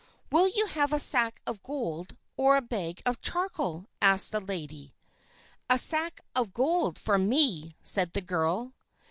"Will you have a sack of gold or a bag of charcoal?" asked the lady. "A sack of gold for me," said the girl.